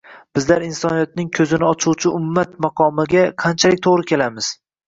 bizlar “insoniyatning ko‘zini ochuvchi ummat” maqomiga qanchalik to‘g‘ri kelamiz